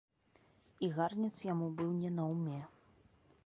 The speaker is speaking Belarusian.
І гарнец яму быў не наўме.